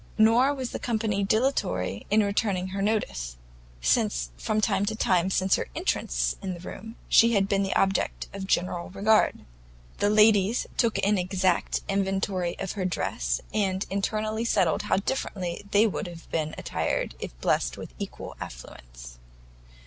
Nor was the company dilatory in returning her notice, since from the time of her entrance into the room, she had been the object of general regard. The ladies took an exact inventory of her dress, and internally settled how differently they would have been attired if blessed with equal affluence.